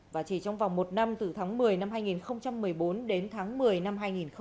và chỉ trong vòng một năm từ tháng một mươi năm hai nghìn một mươi bốn đến tháng một mươi năm hai nghìn một mươi bảy